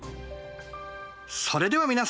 それでは皆さん。